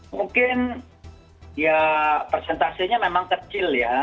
mungkin ya presentasinya memang kecil ya